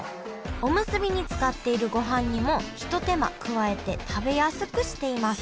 おむすびに使っているご飯にもひと手間加えて食べやすくしています。